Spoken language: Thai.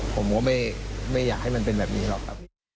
ผมก็ไม่อยากให้มันเป็นแบบนี้หรอกครับ